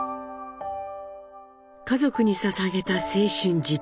家族にささげた青春時代。